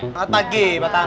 selamat pagi pak tarno